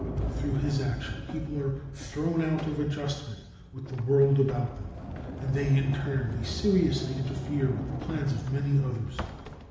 Through his action people are thrown out of adjustment with the world about them, and they, in turn may seriously interfere with the plans of many others.